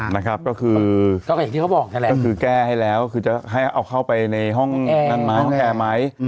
นะครับก็คือก็คือแก้ให้แล้วคือจะให้เอาเข้าไปในห้องแอร์ไหม